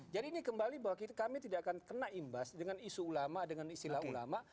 jadi ini kembali bahwa kami tidak akan kena imbas dengan isu ulama dengan istilah ulama